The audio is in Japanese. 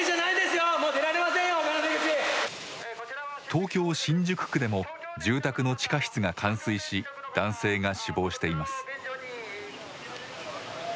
東京・新宿区でも住宅の地下室が冠水し男性が死亡しています。